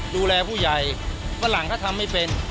ดูแลผู้ใหญ่ฝรั่งเขาทำไม่เป็น